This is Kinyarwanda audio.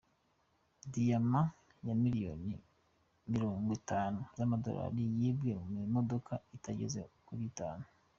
Diyama ya miliyoni mirongo itanu z’amadolari yibwe mu minota itageze kuri itanu